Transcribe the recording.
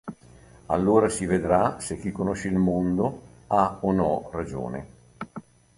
Allora si vedrà se chi conosce il mondo ha o no ragione.